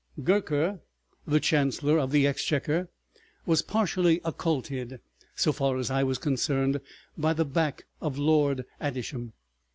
Gurker, the Chancellor of the Exchequer, was partially occulted, so far as I was concerned, by the back of Lord Adisham.